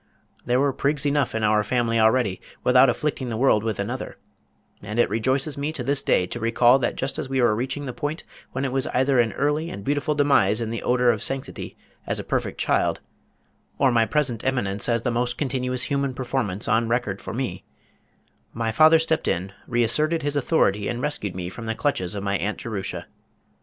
There were prigs enough in our family already without afflicting the world with another, and it rejoices me to this day to recall that just as we were reaching the point when it was either an early and beautiful demise in the odor of sanctity as a perfect child, or my present eminence as the most continuous human performance on record for me, my father stepped in, reasserted his authority and rescued me from the clutches of my Aunt Jerusha.